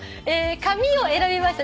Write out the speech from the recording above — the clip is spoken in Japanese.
「髪」を選びました